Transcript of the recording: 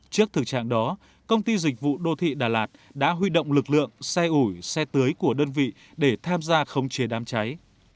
trước thực trạng đó công ty dịch vụ đô thị đà lạt đã huy động lực lượng xe ủi xe tưới của đơn vị để tham gia khống chế đám cháy